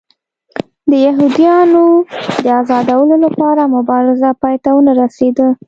د یهودیانو د ازادولو لپاره مبارزه پای ته ونه رسېده.